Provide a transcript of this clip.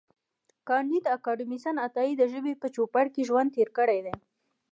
کانديد اکاډميسن عطایي د ژبې په چوپړ کې ژوند تېر کړی دی.